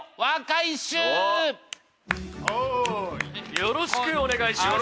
よろしくお願いします。